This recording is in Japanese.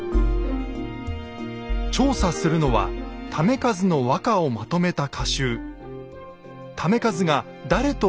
調査するのは為和の和歌をまとめた歌集。